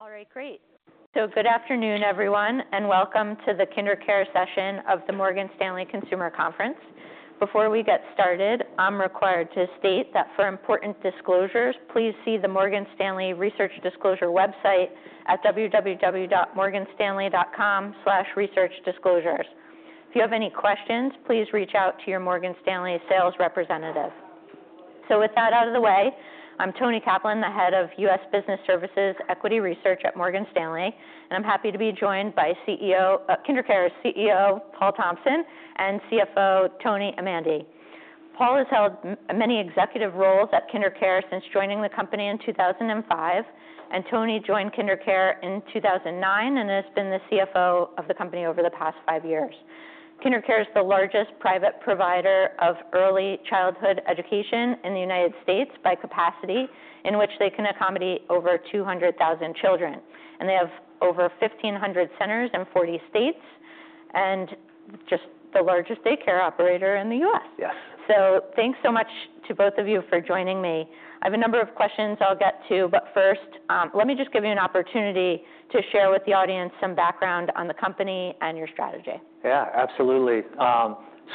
All right, great. So good afternoon, everyone, and welcome to the KinderCare session of the Morgan Stanley Consumer Conference. Before we get started, I'm required to state that for important disclosures, please see the Morgan Stanley Research Disclosure website at www.morganstanley.com/researchdisclosures. If you have any questions, please reach out to your Morgan Stanley sales representative. So with that out of the way, I'm Toni Kaplan, the head of U.S. Business Services Equity Research at Morgan Stanley, and I'm happy to be joined by KinderCare's CEO, Paul Thompson, and CFO, Tony Amandi. Paul has held many executive roles at KinderCare since joining the company in 2005, and Tony joined KinderCare in 2009 and has been the CFO of the company over the past five years. KinderCare is the largest private provider of early childhood education in the United States by capacity, in which they can accommodate over 200,000 children, and they have over 1,500 centers in 40 states, and just the largest daycare operator in the U.S. Yes. So thanks so much to both of you for joining me. I have a number of questions I'll get to, but first, let me just give you an opportunity to share with the audience some background on the company and your strategy. Yeah, absolutely.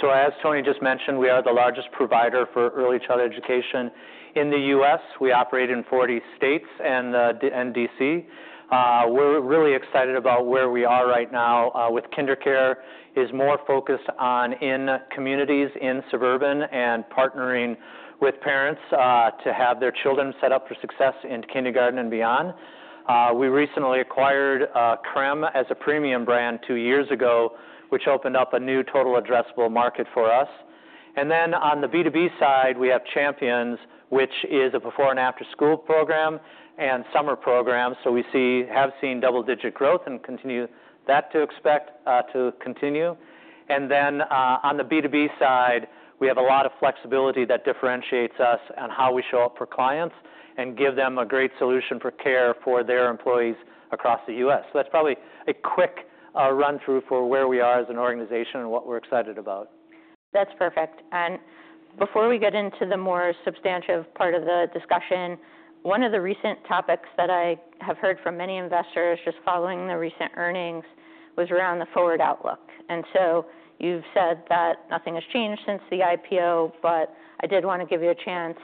So as Toni just mentioned, we are the largest provider for early childhood education in the U.S. We operate in 40 states and D.C. We're really excited about where we are right now with KinderCare, which is more focused on in communities, in suburban, and partnering with parents to have their children set up for success in kindergarten and beyond. We recently acquired Crème as a premium brand two years ago, which opened up a new total addressable market for us. And then on the B2B side, we have Champions, which is a before and after-school program and summer program, so we have seen double-digit growth and continue that to expect to continue. And then on the B2B side, we have a lot of flexibility that differentiates us on how we show up for clients and give them a great solution for care for their employees across the U.S. That's probably a quick run-through for where we are as an organization and what we're excited about. That's perfect. And before we get into the more substantive part of the discussion, one of the recent topics that I have heard from many investors, just following the recent earnings, was around the forward outlook. And so you've said that nothing has changed since the IPO, and I did want to give you a chance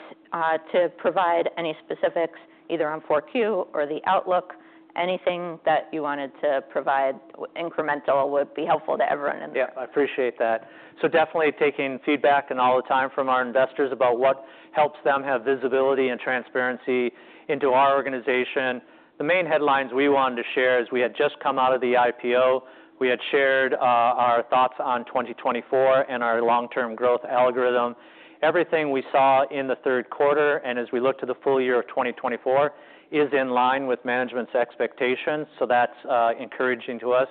to provide any specifics, either on 4Q or the outlook, anything that you wanted to provide incremental would be helpful to everyone in the room. Yeah, I appreciate that. So definitely taking feedback and all the time from our investors about what helps them have visibility and transparency into our organization. The main headlines we wanted to share is we had just come out of the IPO, we had shared our thoughts on 2024 and our long-term growth algorithm. Everything we saw in the third quarter and as we look to the full year of 2024 is in line with management's expectations, so that's encouraging to us.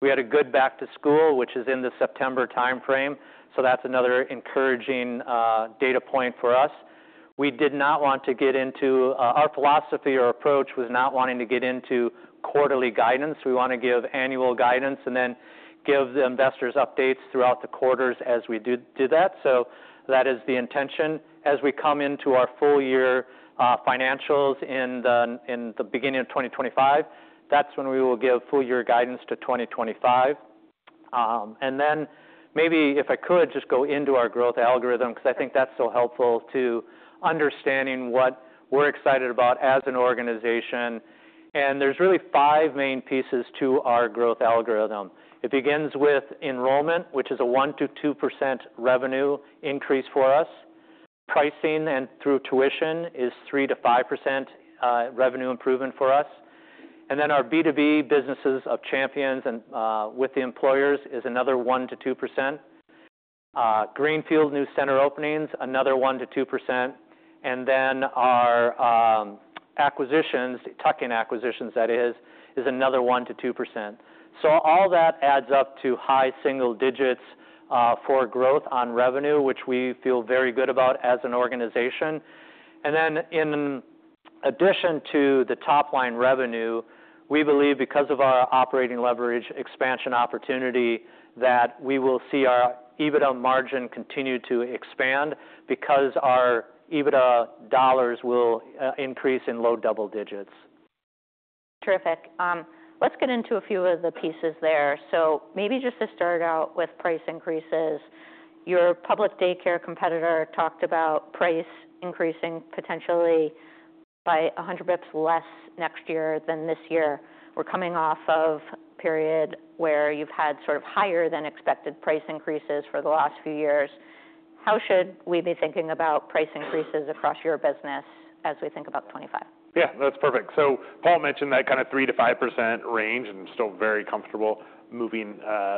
We had a good back-to-school, which is in the September timeframe, so that's another encouraging data point for us. We did not want to get into our philosophy or approach was not wanting to get into quarterly guidance. We want to give annual guidance and then give the investors updates throughout the quarters as we do that. So that is the intention. As we come into our full-year financials in the beginning of 2025, that's when we will give full-year guidance to 2025. And then maybe if I could just go into our growth algorithm, because I think that's so helpful to understanding what we're excited about as an organization. And there's really five main pieces to our growth algorithm. It begins with enrollment, which is a 1%-2% revenue increase for us. Pricing and through tuition is 3%-5% revenue improvement for us. And then our B2B businesses of Champions and with the employers is another 1%-2%. Greenfield new center openings, another 1%-2%. And then our acquisitions, tuck-in acquisitions, that is, is another 1%-2%. So all that adds up to high single digits for growth on revenue, which we feel very good about as an organization. And then in addition to the top-line revenue, we believe because of our operating leverage expansion opportunity that we will see our EBITDA margin continue to expand because our EBITDA dollars will increase in low double digits. Terrific. Let's get into a few of the pieces there. So maybe just to start out with price increases, your public daycare competitor talked about price increasing potentially by 100 basis points less next year than this year. We're coming off of a period where you've had sort of higher-than-expected price increases for the last few years. How should we be thinking about price increases across your business as we think about 2025? Yeah, that's perfect. So Paul mentioned that kind of 3%-5% range and still very comfortable moving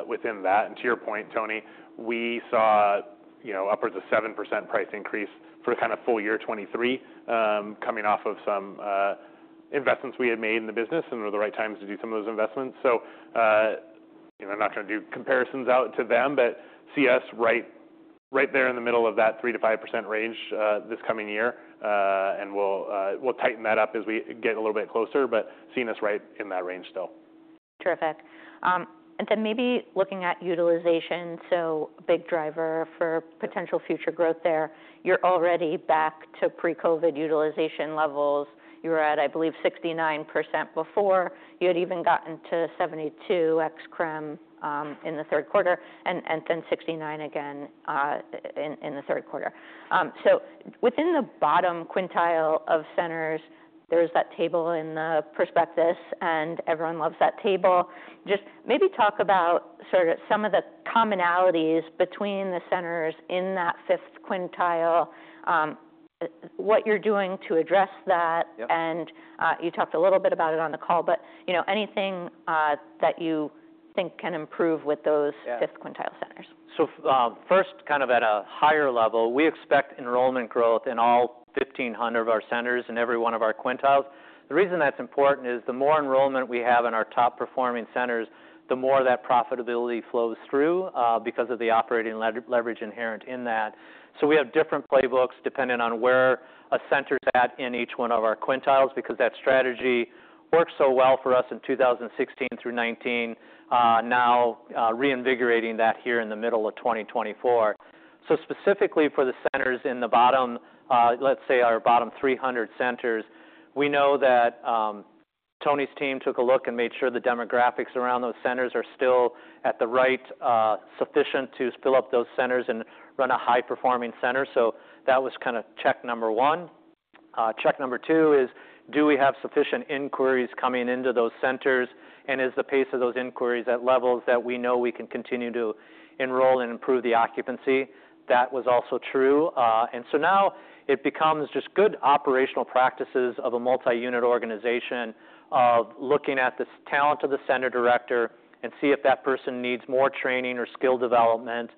within that. And to your point, Toni, we saw upwards of 7% price increase for the kind of full year 2023 coming off of some investments we had made in the business and were the right times to do some of those investments. So I'm not going to do comparisons out to them, but see us right there in the middle of that 3%-5% range this coming year, and we'll tighten that up as we get a little bit closer, but seeing us right in that range still. Terrific. And then maybe looking at utilization, so a big driver for potential future growth there, you're already back to pre-COVID utilization levels. You were at, I believe, 69% before. You had even gotten to 72% ex-Crème in the third quarter and then 69% again in the third quarter. So within the bottom quintile of centers, there's that table in the prospectus, and everyone loves that table. Just maybe talk about sort of some of the commonalities between the centers in that fifth quintile, what you're doing to address that. And you talked a little bit about it on the call, but anything that you think can improve with those fifth quintile centers. So first, kind of at a higher level, we expect enrollment growth in all 1,500 of our centers in every one of our quintiles. The reason that's important is the more enrollment we have in our top-performing centers, the more that profitability flows through because of the operating leverage inherent in that. So we have different playbooks depending on where a center's at in each one of our quintiles because that strategy worked so well for us in 2016 through 2019, now reinvigorating that here in the middle of 2024. So specifically for the centers in the bottom, let's say our bottom 300 centers, we know that Tony's team took a look and made sure the demographics around those centers are still at the right sufficient to fill up those centers and run a high-performing center. So that was kind of check number one. Check number two is, do we have sufficient inquiries coming into those centers, and is the pace of those inquiries at levels that we know we can continue to enroll and improve the occupancy? That was also true. And so now it becomes just good operational practices of a multi-unit organization of looking at the talent of the center director and see if that person needs more training or skill development.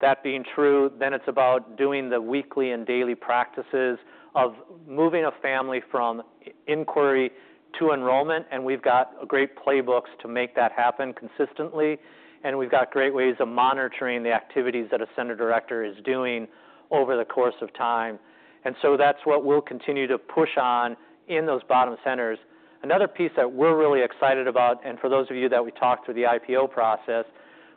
That being true, then it's about doing the weekly and daily practices of moving a family from inquiry to enrollment, and we've got great playbooks to make that happen consistently, and we've got great ways of monitoring the activities that a center director is doing over the course of time. And so that's what we'll continue to push on in those bottom centers. Another piece that we're really excited about, and for those of you that we talked through the IPO process,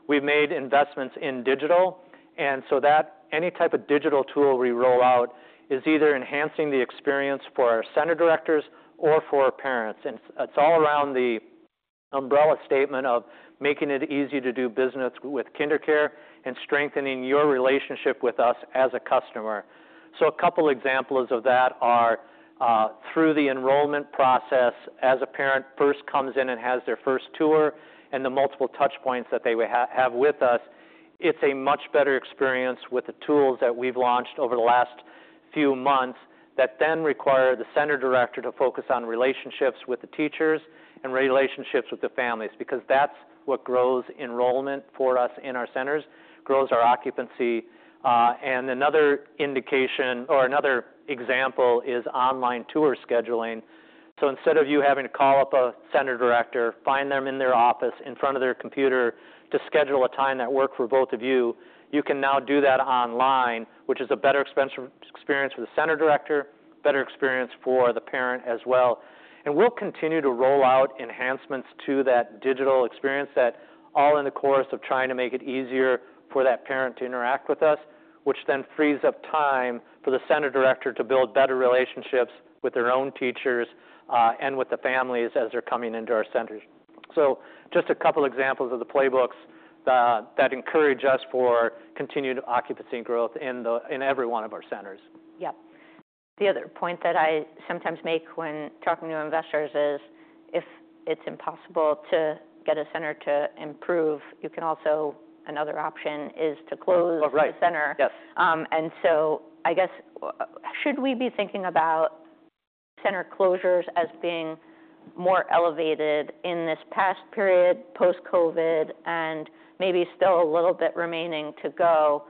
we've made investments in digital, and so that any type of digital tool we roll out is either enhancing the experience for our center directors or for our parents, and it's all around the umbrella statement of making it easy to do business with KinderCare and strengthening your relationship with us as a customer, so a couple of examples of that are through the enrollment process as a parent first comes in and has their first tour and the multiple touchpoints that they would have with us. It's a much better experience with the tools that we've launched over the last few months that then require the center director to focus on relationships with the teachers and relationships with the families, because that's what grows enrollment for us in our centers, grows our occupancy, and another indication or another example is online tour scheduling, so instead of you having to call up a center director, find them in their office in front of their computer to schedule a time that works for both of you, you can now do that online, which is a better experience for the center director, better experience for the parent as well. We'll continue to roll out enhancements to that digital experience that all in the course of trying to make it easier for that parent to interact with us, which then frees up time for the center director to build better relationships with their own teachers and with the families as they're coming into our centers. Just a couple of examples of the playbooks that encourage us for continued occupancy and growth in every one of our centers. Yep. The other point that I sometimes make when talking to investors is if it's impossible to get a center to improve, you can also, another option is to close the center. Right, yes. And so I guess, should we be thinking about center closures as being more elevated in this past period post-COVID and maybe still a little bit remaining to go?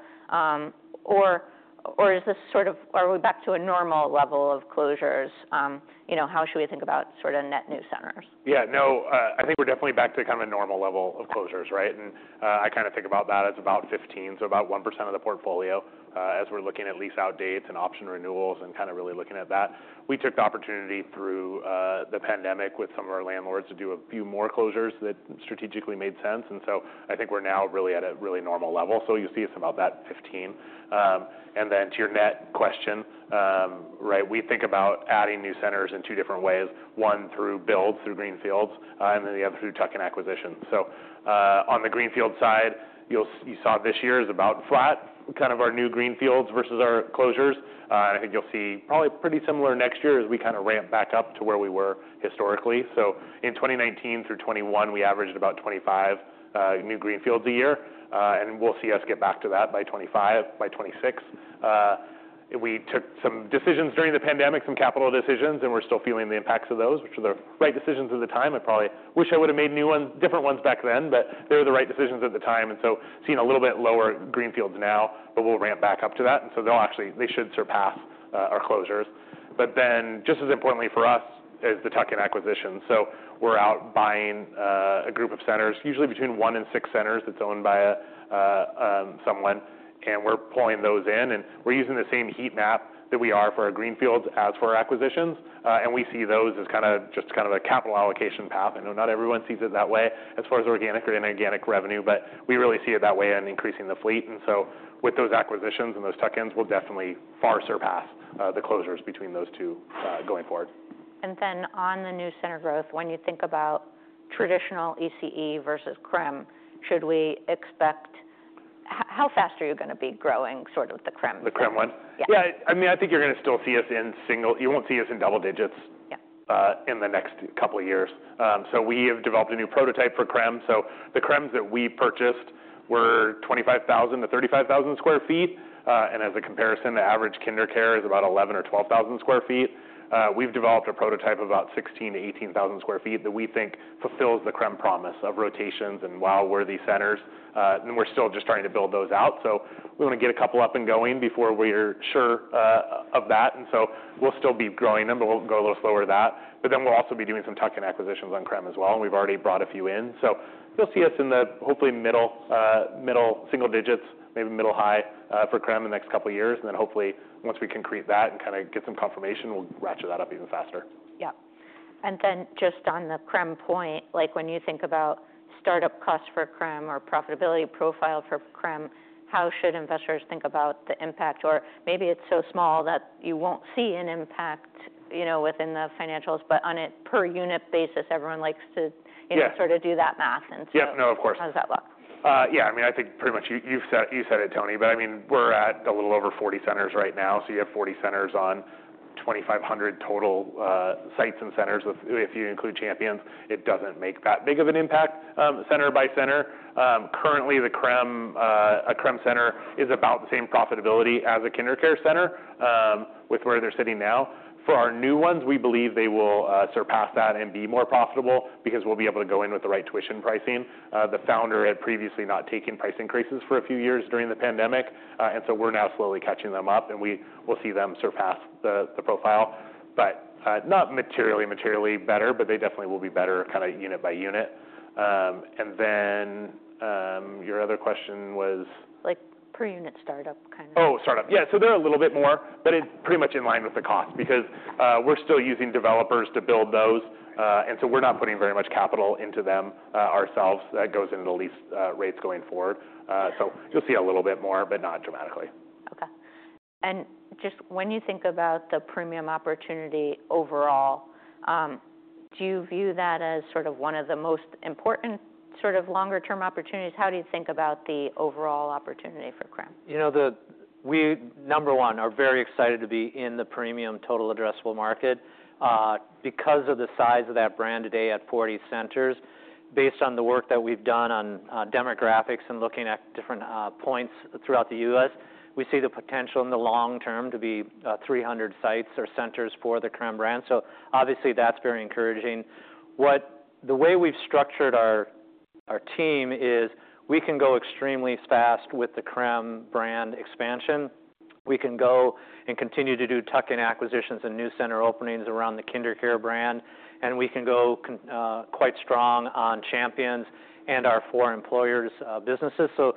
Or is this sort of, are we back to a normal level of closures? How should we think about sort of net new centers? Yeah, no, I think we're definitely back to kind of a normal level of closures, right? And I kind of think about that as about 15, so about 1% of the portfolio as we're looking at lease-out dates and option renewals and kind of really looking at that. We took the opportunity through the pandemic with some of our landlords to do a few more closures that strategically made sense, and so I think we're now really at a really normal level. So you see us about that 15. And then to your net question, right, we think about adding new centers in two different ways, one through builds through Greenfields and then the other through tuck-in acquisitions. So on the Greenfield side, you saw this year is about flat, kind of our new Greenfields versus our closures. I think you'll see probably pretty similar next year as we kind of ramp back up to where we were historically. In 2019 through 2021, we averaged about 25 new Greenfields a year, and we'll see us get back to that by 2025, by 2026. We took some decisions during the pandemic, some capital decisions, and we're still feeling the impacts of those, which were the right decisions at the time. I probably wish I would have made different ones back then, but they were the right decisions at the time. Seeing a little bit lower Greenfields now, but we'll ramp back up to that. They'll actually, they should surpass our closures. Then just as importantly for us is the tuck-in acquisitions. So we're out buying a group of centers, usually between one and six centers that's owned by someone, and we're pulling those in. And we're using the same heat map that we are for our Greenfields as for our acquisitions. And we see those as kind of just kind of a capital allocation path. I know not everyone sees it that way as far as organic or inorganic revenue, but we really see it that way and increasing the fleet. And so with those acquisitions and those tuck-ins, we'll definitely far surpass the closures between those two going forward. And then, on the new center growth, when you think about traditional ECE versus Crème, should we expect how fast are you going to be growing sort of the Crème? The Crème one? Yeah. Yeah, I mean, I think you're going to still see us in single, you won't see us in double digits in the next couple of years. So we have developed a new prototype for Crème. So the Crèmes that we purchased were 25,000 sq ft-35,000 sq ft. And as a comparison, the average KinderCare is about 11,000 sq ft or 12,000 sq ft. We've developed a prototype of about 16,000 sq ft-18,000 sq ft that we think fulfills the Crème promise of rotations and wow-worthy centers. And we're still just trying to build those out. So we want to get a couple up and going before we're sure of that. And so we'll still be growing them, but we'll go a little slower with that. But then we'll also be doing some tuck-in acquisitions on Crème as well. And we've already brought a few in. So you'll see us in the hopefully middle, middle single digits, maybe middle high for Crème in the next couple of years. And then hopefully once we concretize that and kind of get some confirmation, we'll ratchet that up even faster. Yep. And then just on the Crème point, like when you think about startup costs for Crème or profitability profile for Crème, how should investors think about the impact? Or maybe it's so small that you won't see an impact within the financials, but on a per-unit basis, everyone likes to sort of do that math. Yep, no, of course. How does that look? Yeah, I mean, I think pretty much you said it, Toni, but I mean, we're at a little over 40 centers right now. So you have 40 centers on 2,500 total sites and centers. If you include Champions, it doesn't make that big of an impact center by center. Currently, a Crème center is about the same profitability as a KinderCare center with where they're sitting now. For our new ones, we believe they will surpass that and be more profitable because we'll be able to go in with the right tuition pricing. The founder had previously not taken price increases for a few years during the pandemic. And so we're now slowly catching them up, and we will see them surpass the profile, but not materially, materially better, but they definitely will be better kind of unit by unit. And then your other question was? Like per-unit startup kind of. Oh, startup. Yeah, so they're a little bit more, but it's pretty much in line with the cost because we're still using developers to build those, and so we're not putting very much capital into them ourselves. That goes into the lease rates going forward. So you'll see a little bit more, but not dramatically. Okay, and just when you think about the premium opportunity overall, do you view that as sort of one of the most important sort of longer-term opportunities? How do you think about the overall opportunity for Crème? You know, we number one are very excited to be in the premium total addressable market because of the size of that brand today at 40 centers. Based on the work that we've done on demographics and looking at different points throughout the U.S., we see the potential in the long term to be 300 sites or centers for the Crème brand. So obviously that's very encouraging. The way we've structured our team is we can go extremely fast with the Crème brand expansion. We can go and continue to do tuck-in acquisitions and new center openings around the KinderCare brand. And we can go quite strong on Champions and our for employers' businesses. So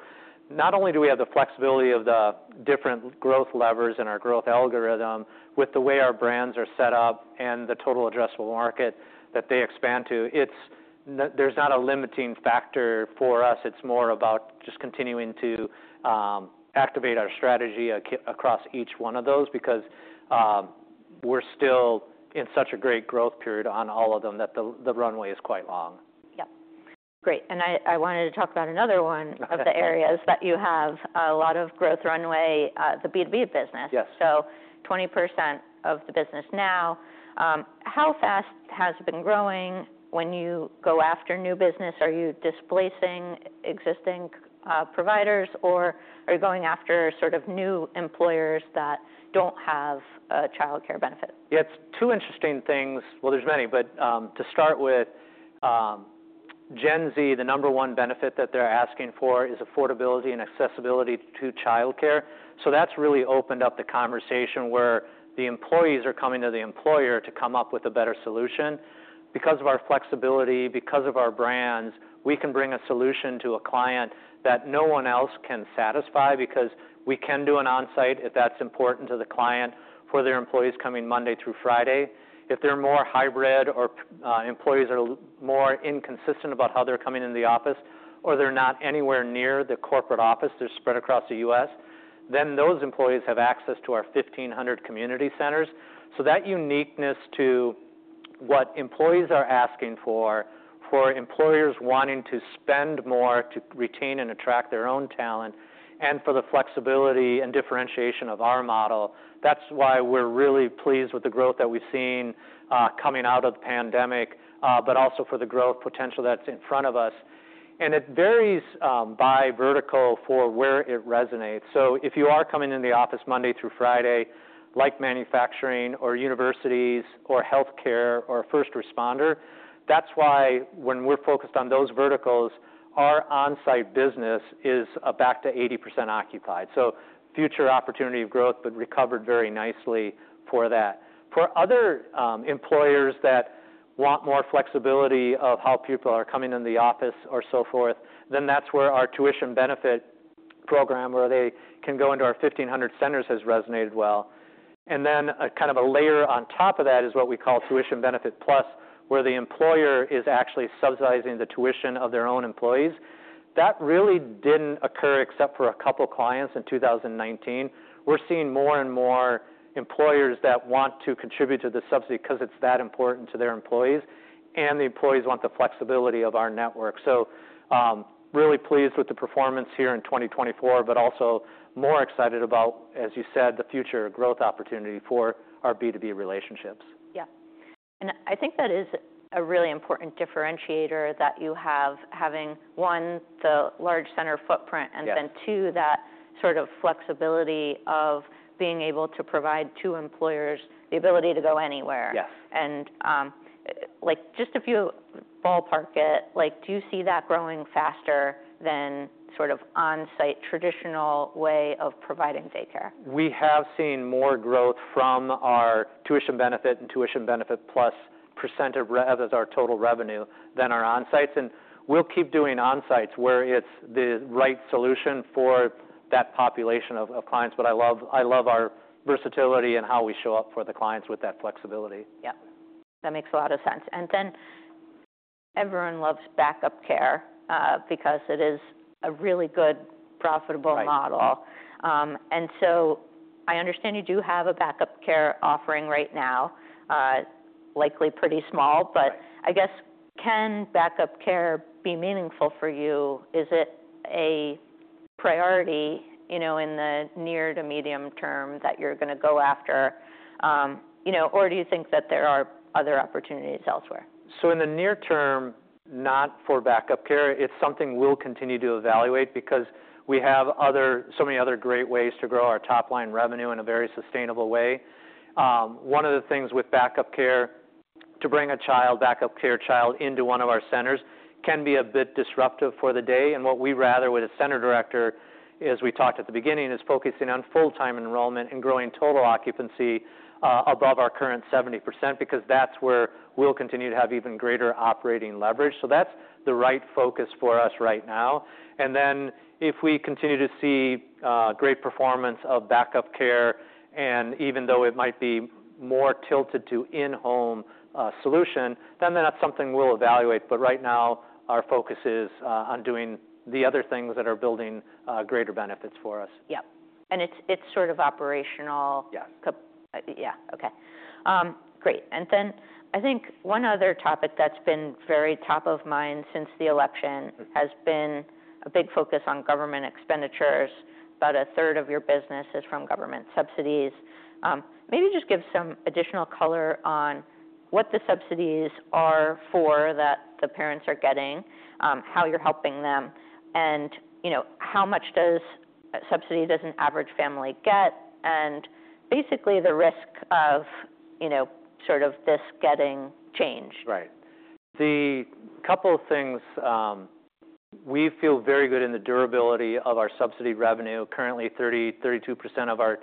not only do we have the flexibility of the different growth levers in our growth algorithm, with the way our brands are set up and the total addressable market that they expand to, there's not a limiting factor for us. It's more about just continuing to activate our strategy across each one of those because we're still in such a great growth period on all of them that the runway is quite long. Yep. Great. And I wanted to talk about another one of the areas that you have a lot of growth runway, the B2B business. Yes. 20% of the business now. How fast has it been growing? When you go after new business, are you displacing existing providers or are you going after sort of new employers that don't have a childcare benefit? Yeah, it's two interesting things. Well, there's many, but to start with, Gen Z, the number one benefit that they're asking for is affordability and accessibility to childcare. So that's really opened up the conversation where the employees are coming to the employer to come up with a better solution. Because of our flexibility, because of our brands, we can bring a solution to a client that no one else can satisfy because we can do an on-site if that's important to the client for their employees coming Monday through Friday. If they're more hybrid or employees are more inconsistent about how they're coming into the office or they're not anywhere near the corporate office, they're spread across the U.S., then those employees have access to our 1,500 community centers. So that uniqueness to what employees are asking for, for employers wanting to spend more to retain and attract their own talent, and for the flexibility and differentiation of our model, that's why we're really pleased with the growth that we've seen coming out of the pandemic, but also for the growth potential that's in front of us. And it varies by vertical for where it resonates. So if you are coming into the office Monday through Friday, like manufacturing or universities or healthcare or first responder, that's why when we're focused on those verticals, our onsite business is back to 80% occupied. So future opportunity of growth, but recovered very nicely for that. For other employers that want more flexibility of how people are coming into the office or so forth, then that's where our tuition benefit program, where they can go into our 1,500 centers, has resonated well. And then kind of a layer on top of that is what we call Tuition Benefit+, where the employer is actually subsidizing the tuition of their own employees. That really didn't occur except for a couple of clients in 2019. We're seeing more and more employers that want to contribute to the subsidy because it's that important to their employees, and the employees want the flexibility of our network. So really pleased with the performance here in 2024, but also more excited about, as you said, the future growth opportunity for our B2B relationships. Yeah. And I think that is a really important differentiator that you have, having one, the large center footprint, and then two, that sort of flexibility of being able to provide to employers the ability to go anywhere. Yes. Like just to ballpark it, like do you see that growing faster than sort of on-site traditional way of providing daycare? We have seen more growth from our Tuition Benefit and Tuition Benefit+ percent of our total revenue than our on-sites. And we'll keep doing on-sites where it's the right solution for that population of clients. But I love our versatility and how we show up for the clients with that flexibility. Yep. That makes a lot of sense. And then everyone loves backup care because it is a really good profitable model. And so I understand you do have a backup care offering right now, likely pretty small, but I guess can backup care be meaningful for you? Is it a priority in the near to medium term that you're going to go after? Or do you think that there are other opportunities elsewhere? So in the near term, not for backup care. It's something we'll continue to evaluate because we have so many other great ways to grow our top-line revenue in a very sustainable way. One of the things with backup care, to bring a backup care child into one of our centers, can be a bit disruptive for the day. And what we'd rather with a center director, as we talked at the beginning, is focusing on full-time enrollment and growing total occupancy above our current 70% because that's where we'll continue to have even greater operating leverage. So that's the right focus for us right now. And then if we continue to see great performance of backup care, and even though it might be more tilted to in-home solution, then that's something we'll evaluate. But right now, our focus is on doing the other things that are building greater benefits for us. Yep. It's sort of operational? Yes. Yeah. Okay. Great. And then I think one other topic that's been very top of mind since the election has been a big focus on government expenditures. About a third of your business is from government subsidies. Maybe just give some additional color on what the subsidies are for that the parents are getting, how you're helping them, and how much subsidy does an average family get, and basically the risk of sort of this getting changed. Right. A couple of things, we feel very good in the durability of our subsidy revenue. Currently, 30%-32% of our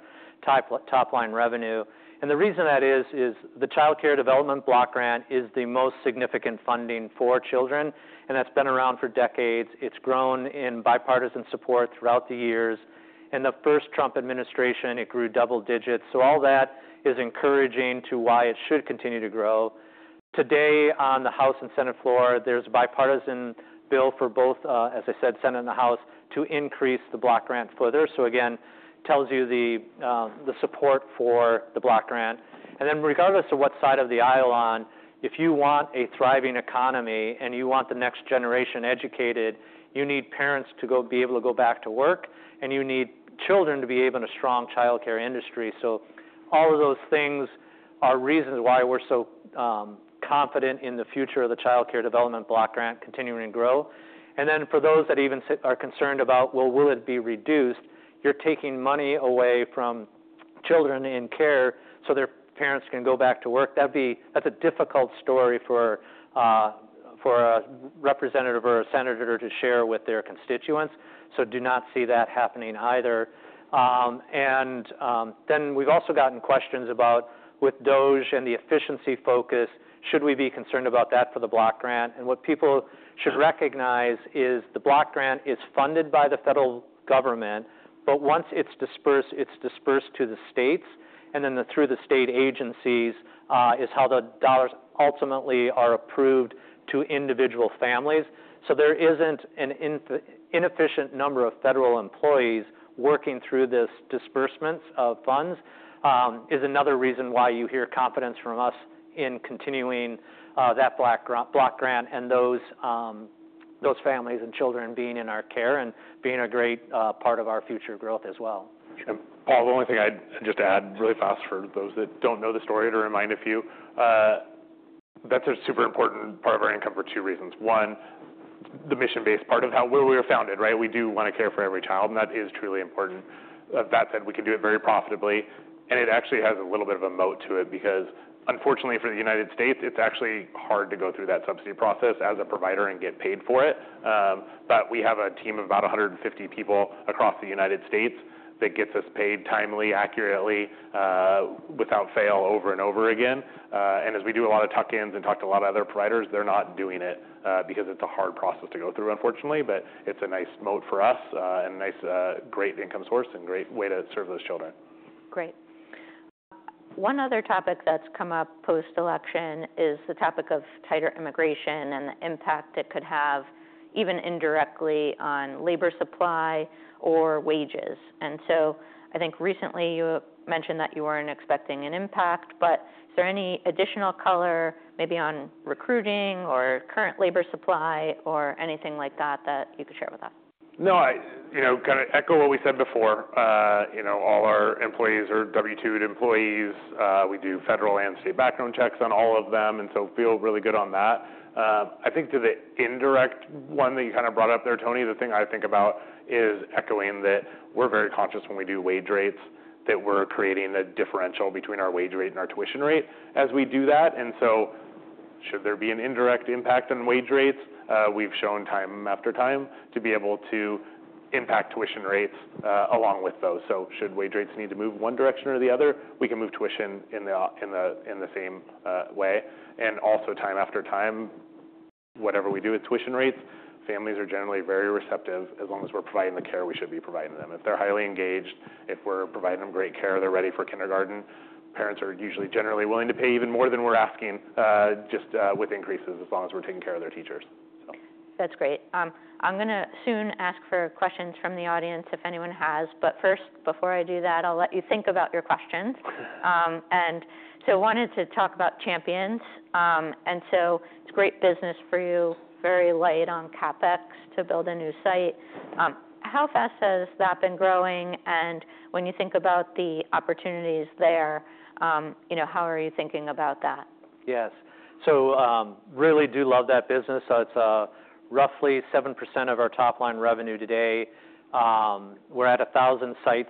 top-line revenue. And the reason that is is the Child Care and Development Block Grant is the most significant funding for children, and that's been around for decades. It's grown in bipartisan support throughout the years. In the first Trump administration, it grew double digits. So all that is encouraging to why it should continue to grow. Today on the House and Senate floor, there's a bipartisan bill for both, as I said, Senate and the House to increase the Block Grant further. So again, it tells you the support for the Block Grant. And then regardless of what side of the aisle you're on, if you want a thriving economy and you want the next generation educated, you need parents to be able to go back to work, and you need children to be able to be in a strong childcare industry. So all of those things are reasons why we're so confident in the future of the Child Care and Development Block Grant continuing to grow. And then for those that even are concerned about, well, will it be reduced, you're taking money away from children in care so their parents can go back to work. That's a difficult story for a representative or a senator to share with their constituents. So I do not see that happening either. And then we've also gotten questions about, with DOGE and the efficiency focus, should we be concerned about that for the Block Grant? What people should recognize is the Block Grant is funded by the federal government, but once it's dispersed, it's dispersed to the states, and then through the state agencies is how the dollars ultimately are approved to individual families. There isn't an inefficient number of federal employees working through this disbursement of funds, is another reason why you hear confidence from us in continuing that Block Grant and those families and children being in our care and being a great part of our future growth as well. And Paul, the only thing I'd just add really fast for those that don't know the story to remind a few, that's a super important part of our income for two reasons. One, the mission-based part of how we were founded, right? We do want to care for every child, and that is truly important. That said, we can do it very profitably. And it actually has a little bit of a moat to it because unfortunately for the United States, it's actually hard to go through that subsidy process as a provider and get paid for it. But we have a team of about 150 people across the United States that gets us paid timely, accurately, without fail over and over again. As we do a lot of tuck-ins and talk to a lot of other providers, they're not doing it because it's a hard process to go through, unfortunately, but it's a nice moat for us and a nice, great income source and great way to serve those children. Great. One other topic that's come up post-election is the topic of tighter immigration and the impact it could have even indirectly on labor supply or wages. And so I think recently you mentioned that you weren't expecting an impact, but is there any additional color maybe on recruiting or current labor supply or anything like that that you could share with us? No, you know, kind of echo what we said before. All our employees are W-2 employees. We do federal and state background checks on all of them, and so feel really good on that. I think to the indirect one that you kind of brought up there, Toni, the thing I think about is echoing that we're very conscious when we do wage rates that we're creating a differential between our wage rate and our tuition rate as we do that. And so should there be an indirect impact on wage rates, we've shown time after time to be able to impact tuition rates along with those. So should wage rates need to move one direction or the other, we can move tuition in the same way. And also time after time, whatever we do with tuition rates, families are generally very receptive. As long as we're providing the care, we should be providing them. If they're highly engaged, if we're providing them great care, they're ready for kindergarten. Parents are usually generally willing to pay even more than we're asking just with increases as long as we're taking care of their teachers. That's great. I'm going to soon ask for questions from the audience if anyone has, but first, before I do that, I'll let you think about your questions. And so I wanted to talk about Champions. And so it's great business for you, very light on CapEx to build a new site. How fast has that been growing? And when you think about the opportunities there, how are you thinking about that? Yes. So really do love that business. It's roughly 7% of our top-line revenue today. We're at 1,000 sites.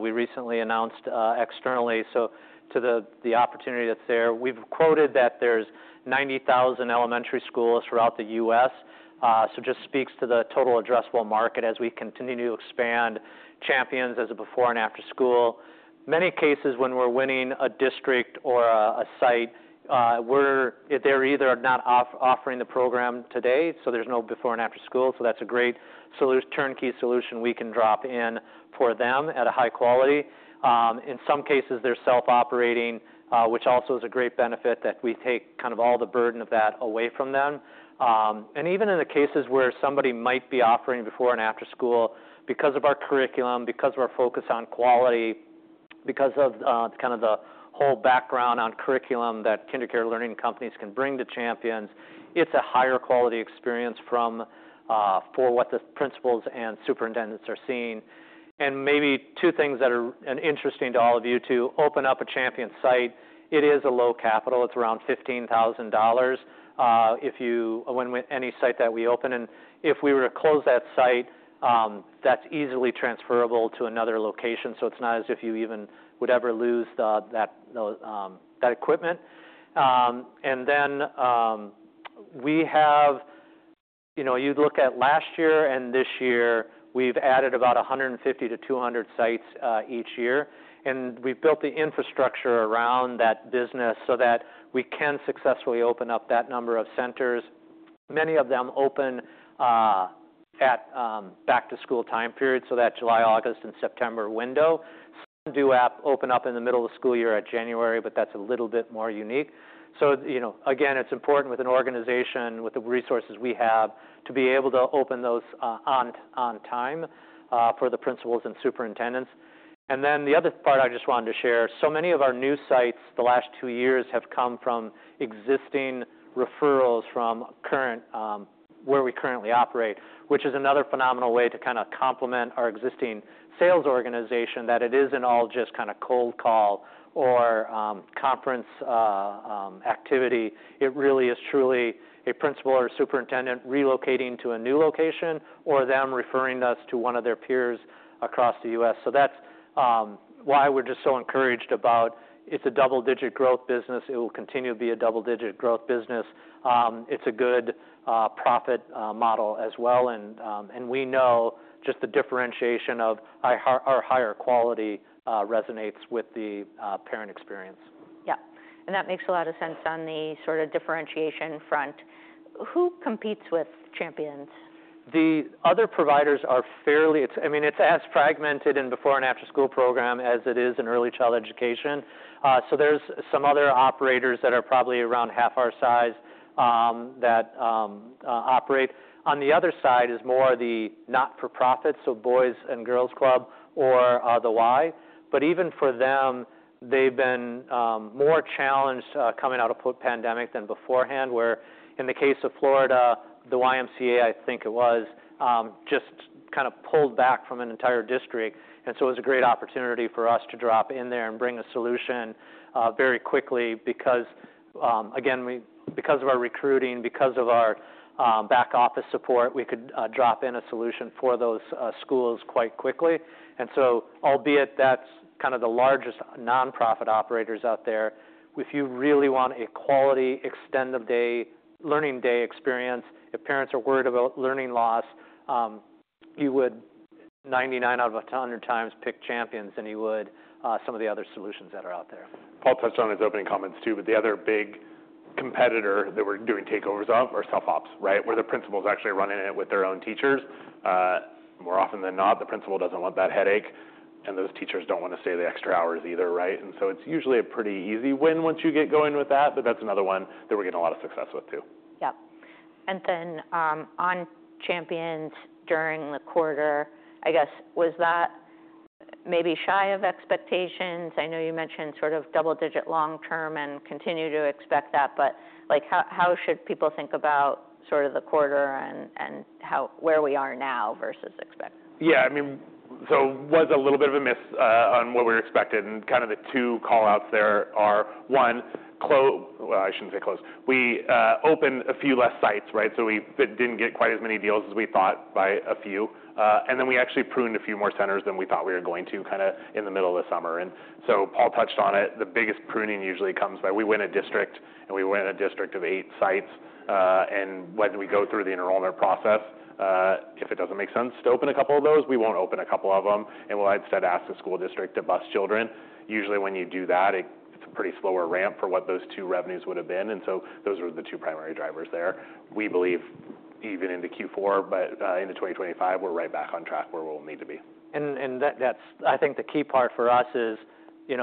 We recently announced externally. So to the opportunity that's there, we've quoted that there's 90,000 elementary schools throughout the U.S. So just speaks to the total addressable market as we continue to expand Champions as a before and after school. Many cases when we're winning a district or a site, they're either not offering the program today, so there's no before and after school. So that's a great turnkey solution we can drop in for them at a high quality. In some cases, they're self-operating, which also is a great benefit that we take kind of all the burden of that away from them. Even in the cases where somebody might be offering before and after school, because of our curriculum, because of our focus on quality, because of kind of the whole background on curriculum that KinderCare Learning Companies can bring to Champions, it's a higher quality experience for what the principals and superintendents are seeing. Maybe two things that are interesting to all of you to open up a Champions site. It is a low capital. It's around $15,000 if you win any site that we open. If we were to close that site, that's easily transferable to another location. So it's not as if you even would ever lose that equipment. Then we have, you'd look at last year and this year, we've added about 150-200 sites each year. We've built the infrastructure around that business so that we can successfully open up that number of centers. Many of them open at back-to-school time period, so that July, August, and September window. Some do open up in the middle of the school year at January, but that's a little bit more unique. So again, it's important with an organization with the resources we have to be able to open those on time for the principals and superintendents. And then the other part I just wanted to share, so many of our new sites the last two years have come from existing referrals from where we currently operate, which is another phenomenal way to kind of complement our existing sales organization that it isn't all just kind of cold call or conference activity. It really is truly a principal or a superintendent relocating to a new location or them referring us to one of their peers across the U.S. So that's why we're just so encouraged about. It's a double-digit growth business. It will continue to be a double-digit growth business. It's a good profit model as well. And we know just the differentiation of our higher quality resonates with the parent experience. Yeah. And that makes a lot of sense on the sort of differentiation front. Who competes with Champions? The other providers are fairly, I mean, it's as fragmented in before and after school program as it is in early childhood education. So there's some other operators that are probably around half our size that operate. On the other side is more the not-for-profits, so Boys & Girls Clubs or the Y. But even for them, they've been more challenged coming out of the pandemic than beforehand, where in the case of Florida, the YMCA, I think it was, just kind of pulled back from an entire district, and so it was a great opportunity for us to drop in there and bring a solution very quickly because, again, because of our recruiting, because of our back office support, we could drop in a solution for those schools quite quickly. And so, albeit that's kind of the largest nonprofit operators out there, if you really want a quality extended learning day experience, if parents are worried about learning loss, you would 99 out of 100 times pick Champions than you would some of the other solutions that are out there. Paul touched on his opening comments too, but the other big competitor that we're doing takeovers of are self-ops, right, where the principal's actually running it with their own teachers. More often than not, the principal doesn't want that headache, and those teachers don't want to stay the extra hours either, right? And so it's usually a pretty easy win once you get going with that, but that's another one that we're getting a lot of success with too. Yeah. And then on Champions during the quarter, I guess, was that maybe shy of expectations? I know you mentioned sort of double-digit long term and continue to expect that, but how should people think about sort of the quarter and where we are now versus expecting? Yeah. I mean, so it was a little bit of a miss on what we were expecting. Kind of the two callouts there are, one, well, I shouldn't say close. We opened a few less sites, right? So we didn't get quite as many deals as we thought by a few. And then we actually pruned a few more centers than we thought we were going to kind of in the middle of the summer. And so Paul touched on it. The biggest pruning usually comes by we win a district, and we win a district of eight sites. And when we go through the enrollment process, if it doesn't make sense to open a couple of those, we won't open a couple of them. And we'll instead ask the school district to bus children. Usually when you do that, it's a pretty slower ramp for what those two revenues would have been. And so those are the two primary drivers there. We believe even into Q4, but into 2025, we're right back on track where we'll need to be. I think the key part for us is it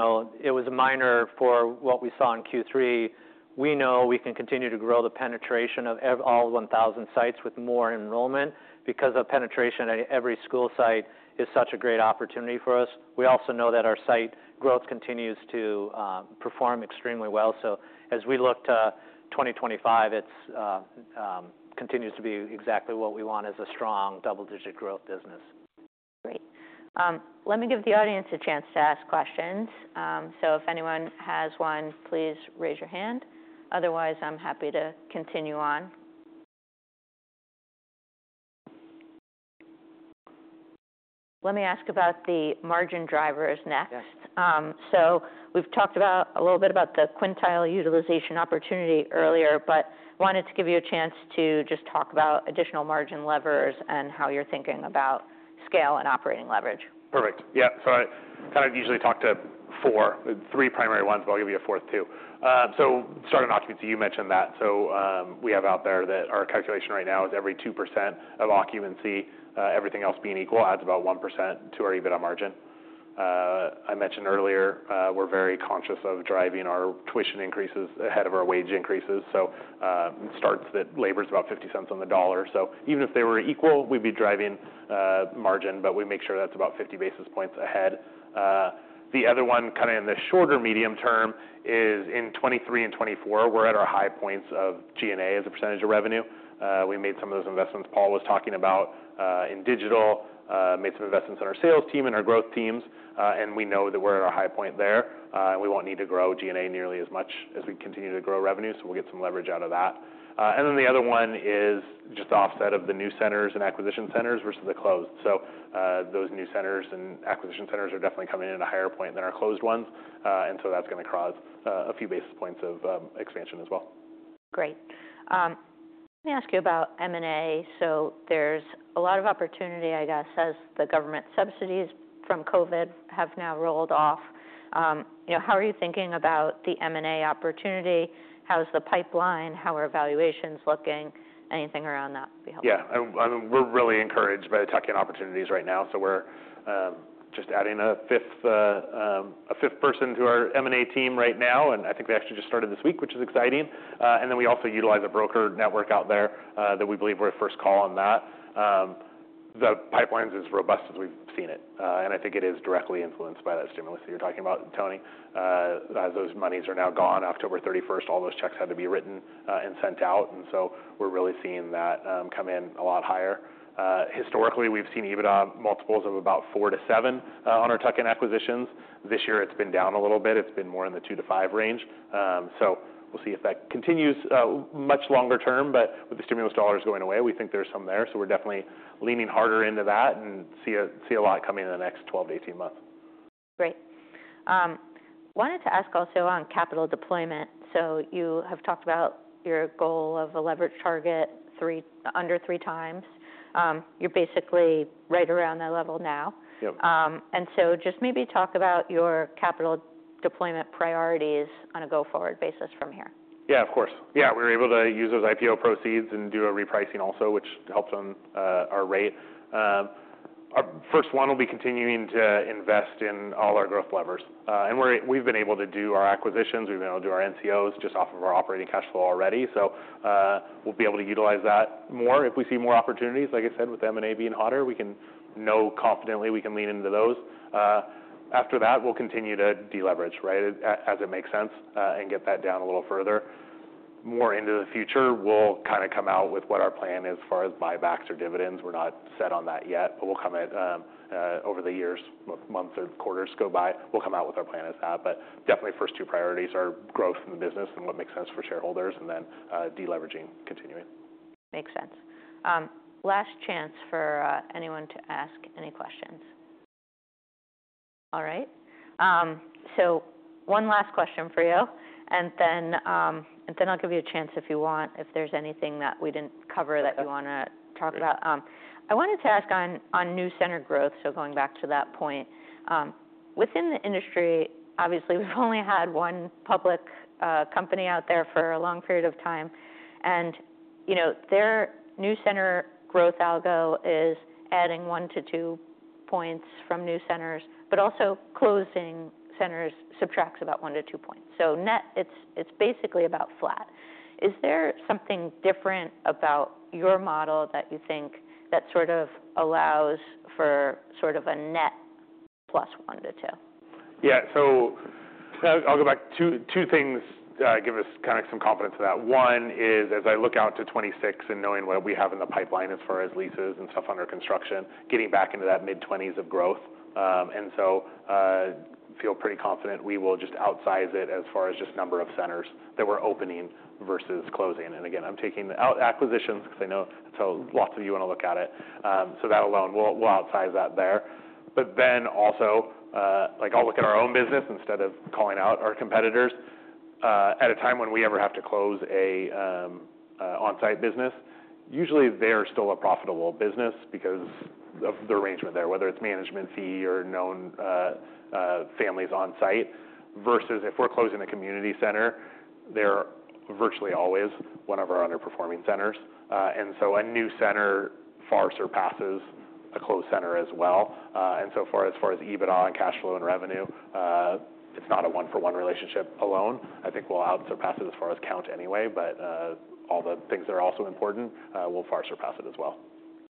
was a minor for what we saw in Q3. We know we can continue to grow the penetration of all 1,000 sites with more enrollment because of penetration at every school site is such a great opportunity for us. We also know that our site growth continues to perform extremely well. As we look to 2025, it continues to be exactly what we want as a strong double-digit growth business. Great. Let me give the audience a chance to ask questions. So if anyone has one, please raise your hand. Otherwise, I'm happy to continue on. Let me ask about the margin drivers next. So we've talked a little bit about the quintile utilization opportunity earlier, but wanted to give you a chance to just talk about additional margin levers and how you're thinking about scale and operating leverage. Perfect. Yeah. So I kind of usually talk to four, three primary ones, but I'll give you a fourth too. So starting with occupancy, you mentioned that. So we have out there that our calculation right now is every 2% of occupancy, everything else being equal, adds about 1% to our EBITDA margin. I mentioned earlier we're very conscious of driving our tuition increases ahead of our wage increases. So it starts that labor is about $0.50 on the dollar. So even if they were equal, we'd be driving margin, but we make sure that's about 50 basis points ahead. The other one kind of in the shorter medium term is in 2023 and 2024, we're at our high points of G&A as a percentage of revenue. We made some of those investments Paul was talking about in digital, made some investments in our sales team and our growth teams, and we know that we're at our high point there. We won't need to grow G&A nearly as much as we continue to grow revenue, so we'll get some leverage out of that. And then the other one is just the offset of the new centers and acquisition centers versus the closed. So those new centers and acquisition centers are definitely coming in at a higher point than our closed ones. And so that's going to cause a few basis points of expansion as well. Great. Let me ask you about M&A. So there's a lot of opportunity, I guess, as the government subsidies from COVID have now rolled off. How are you thinking about the M&A opportunity? How's the pipeline? How are valuations looking? Anything around that would be helpful. Yeah. I mean, we're really encouraged by the tuck-in opportunities right now. So we're just adding a fifth person to our M&A team right now, and I think we actually just started this week, which is exciting. And then we also utilize a broker network out there that we believe we're first call on that. The pipeline is as robust as we've seen it. And I think it is directly influenced by that stimulus that you're talking about, Toni. As those monies are now gone, October 31st, all those checks had to be written and sent out. And so we're really seeing that come in a lot higher. Historically, we've seen EBITDA multiples of about four to seven on our tuck-in acquisitions. This year, it's been down a little bit. It's been more in the two to five range. So we'll see if that continues much longer term, but with the stimulus dollars going away, we think there's some there. So we're definitely leaning harder into that and see a lot coming in the next 12 to 18 months. Great. Wanted to ask also on capital deployment. So you have talked about your goal of a leverage target under three times. You're basically right around that level now. And so just maybe talk about your capital deployment priorities on a go-forward basis from here? Yeah, of course. Yeah. We were able to use those IPO proceeds and do a repricing also, which helped on our rate. Our first one will be continuing to invest in all our growth levers, and we've been able to do our acquisitions. We've been able to do our NCOs just off of our operating cash flow already, so we'll be able to utilize that more if we see more opportunities. Like I said, with M&A being hotter, we can know confidently we can lean into those. After that, we'll continue to deleverage, right, as it makes sense, and get that down a little further. More into the future, we'll kind of come out with what our plan is as far as buybacks or dividends. We're not set on that yet, but we'll come at over the years, months or quarters go by. We'll come out with our plan as that. But definitely first two priorities are growth in the business and what makes sense for shareholders, and then deleveraging continuing. Makes sense. Last chance for anyone to ask any questions. All right, so one last question for you, and then I'll give you a chance if you want, if there's anything that we didn't cover that you want to talk about. I wanted to ask on new center growth, so going back to that point. Within the industry, obviously, we've only had one public company out there for a long period of time, and their new center growth algo is adding one to two points from new centers, but also closing centers subtracts about one to two points, so net, it's basically about flat. Is there something different about your model that you think that sort of allows for sort of a net plus one to two? Yeah. So I'll go back. Two things give us kind of some confidence of that. One is, as I look out to 2026 and knowing what we have in the pipeline as far as leases and stuff under construction, getting back into that mid-20s of growth. And so I feel pretty confident we will just outsize it as far as just number of centers that we're opening versus closing. And again, I'm taking the acquisitions because I know that's how lots of you want to look at it. So that alone, we'll outsize that there. But then also, I'll look at our own business instead of calling out our competitors. At a time whenever we have to close an on-site business, usually they're still a profitable business because of the arrangement there, whether it's management fee or known families on-site versus if we're closing a community center, they're virtually always one of our underperforming centers, and so a new center far surpasses a closed center as well, and so far as EBITDA and cash flow and revenue, it's not a one-for-one relationship alone. I think we'll outsurpass it as far as count anyway, all the things that are also important will far surpass it as well.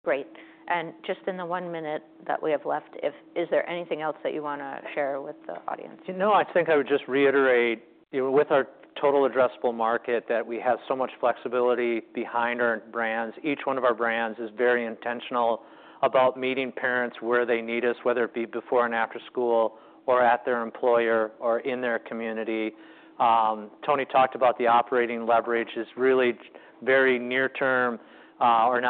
Great. And just in the one minute that we have left, is there anything else that you want to share with the audience? No, I think I would just reiterate with our total addressable market that we have so much flexibility behind our brands. Each one of our brands is very intentional about meeting parents where they need us, whether it be before and after school or at their employer or in their community. Tony talked about the operating leverage, is really very near-term or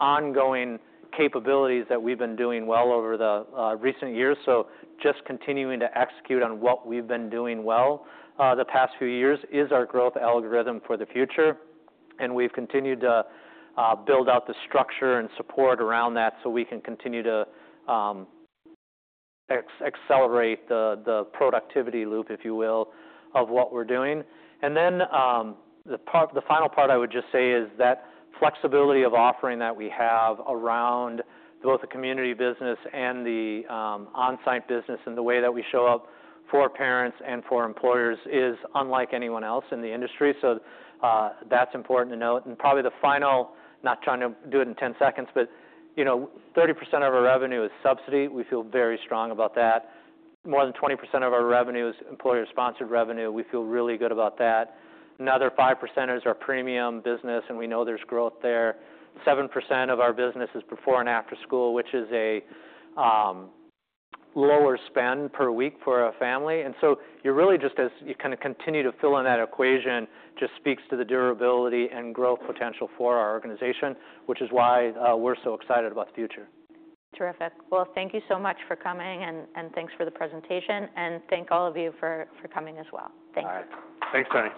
ongoing capabilities that we've been doing well over the recent years, so just continuing to execute on what we've been doing well the past few years is our growth algorithm for the future, and we've continued to build out the structure and support around that so we can continue to accelerate the productivity loop, if you will, of what we're doing. Then the final part I would just say is that flexibility of offering that we have around both the community business and the on-site business and the way that we show up for parents and for employers is unlike anyone else in the industry. That's important to note. Probably the final, not trying to do it in 10 seconds, but 30% of our revenue is subsidy. We feel very strong about that. More than 20% of our revenue is employer-sponsored revenue. We feel really good about that. Another 5% is our premium business, and we know there's growth there. 7% of our business is before and after school, which is a lower spend per week for a family. And so you're really just as you kind of continue to fill in that equation just speaks to the durability and growth potential for our organization, which is why we're so excited about the future. Terrific. Well, thank you so much for coming, and thanks for the presentation. And thank all of you for coming as well. Thank you. All right. Thanks, Toni.